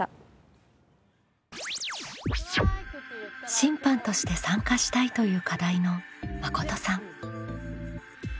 「審判として参加したい」という課題のまことさん。